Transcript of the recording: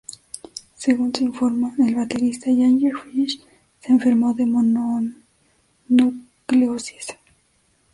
Según se informa, el baterista Ginger Fish se enfermó de mononucleosis.